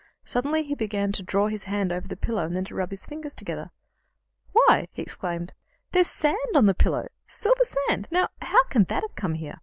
Suddenly he began to draw his hand over the pillow, and then rub his fingers together. "Why," he exclaimed, "there's sand on the pillow silver sand! Now, how can that have come there?"